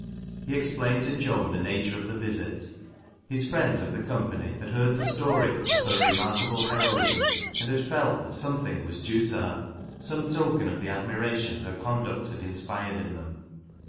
He explained to Joan the nature of tlie visit. His friends of tlie Company had beard the story of her remarkable heroism, and had fell that something was due to her — some token of the admira tion her conduct had inspired in them.